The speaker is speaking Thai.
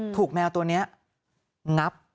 แมวตัวนี้งับ